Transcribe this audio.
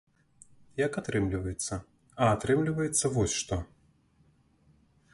Як атрымліваецца, а атрымліваецца вось што.